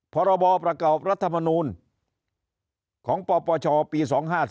พรบประกอบรัฐมนูลของปปชปี๒๕๔